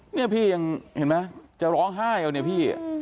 นี่พี่ยังเห็นไหมจะร้องไห้เอาเนี่ยพี่